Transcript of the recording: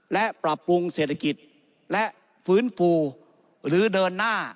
และปรับปรุงเศรษฐกิจและฟื้นฟูหรือเดินหน้า